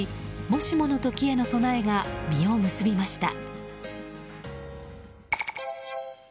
もしもの時への備えが実を結びました。